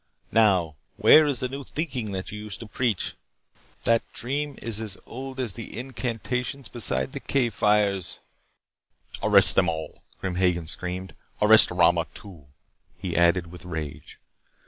Now, where is the new thinking that you used to preach? That dream is as old as the incantations beside the cave fires " "Arrest them all," Grim Hagen screamed. "Arrest Rama too," he added with rage.